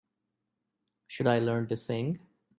Should I learn to sing?